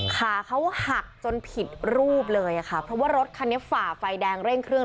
ขาเขาหักจนผิดรูปเลยค่ะเพราะว่ารถคันนี้ฝ่าไฟแดงเร่งเครื่อง